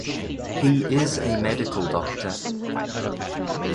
He is a medical doctor.